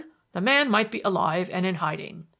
The man might be alive and in hiding.